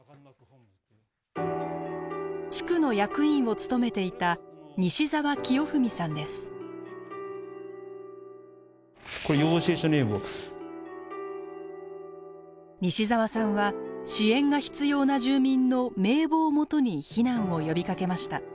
地区の役員を務めていた西澤さんは支援が必要な住民の名簿をもとに避難を呼びかけました。